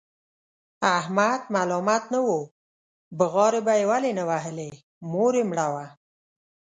احمد ملامت نه و، بغارې به یې ولې نه وهلې؛ مور یې مړه وه.